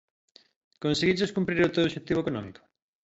Conseguiches cumprir o teu obxectivo económico?